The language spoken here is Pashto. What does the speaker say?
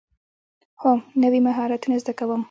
هو، نوی مهارتونه زده کوم